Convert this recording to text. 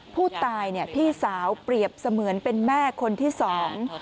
ผู้ตายเนี่ยพี่สาวเปรียบเสมือนเป็นแม่คนที่สอง